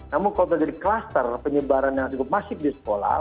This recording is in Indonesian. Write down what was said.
namun kalau terjadi kluster penyebaran yang cukup masif di sekolah